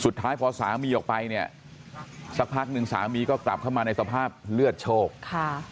สุดท้ายพอสามีออกไปเนี่ยสักพักหนึ่งสามีก็กลับเข้ามาในสภาพเลือดโชคค่ะ